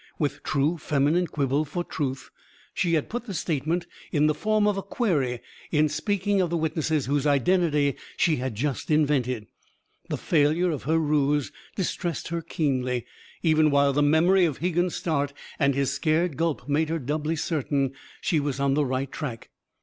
With true feminine quibble for truth, she had put the statement in the form of a query in speaking of the witnesses whose identity she had just invented. The failure of her ruse distressed her keenly, even while the memory of Hegan's start and his scared gulp made her doubly certain she was on the right track.